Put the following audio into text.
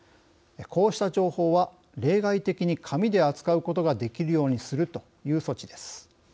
こうした情報は、例外的に紙で扱うことができるようにするという措置です。